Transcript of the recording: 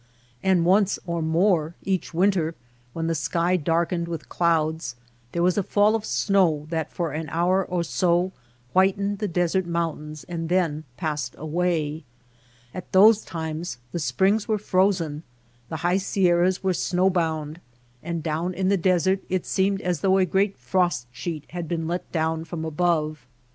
And once or more each winter, when the sky darkened with clouds, there was a fall of snow that for an hour or so whitened the desert mountains and then passed away. At those times the springs were frozen, the high sierras were snow bound, and down in the desert it seemed as though a great frost sheet had been let down from above.